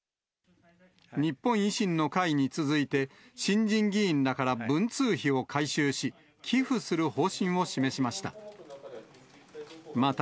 日本維新の会に続いて、新人議員らから文通費を回収し、寄付する方針を示しました。